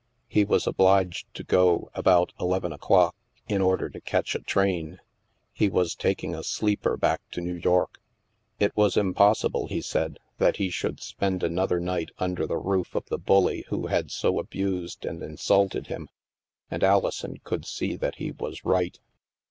He was obliged to go about eleven o'clock, in order to catch a train. He was taking a sleeper back to New York. It was impossible, he said, that STILL WATERS 95 he should spend another night under the roof of the bully who had so abused and insulted him, and Ali son could see that he was right.